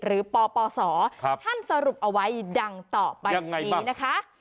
ปปศท่านสรุปเอาไว้ดังต่อไปนี้นะคะ